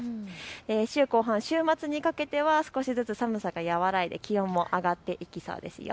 週後半、週末にかけては少しずつ寒さが和らいで気温も上がっていきそうですよ。